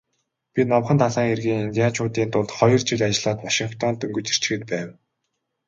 Би Номхон далайн эргийн индианчуудын дунд хоёр жил ажиллаад Вашингтонд дөнгөж ирчхээд байв.